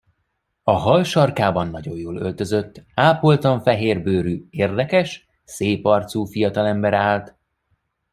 A hall sarkában nagyon jól öltözött, ápoltan fehér bőrű, érdekes, szép arcú fiatalember állt.